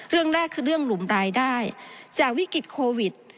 เรื่องแรกคือเรื่องหลุมรายได้จากวิกฤตโควิด